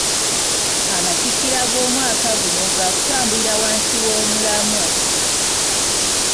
Amatikkira g’omwaka guno gaakutambulira wansi w’omulamwa.